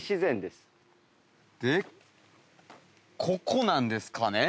ここなんですかね？